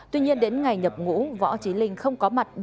tuy nhiên đến ngày nhập ngũ võ trí linh không có mặt